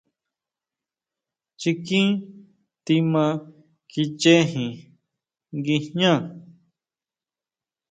Chikin tima kichejin nguijñá.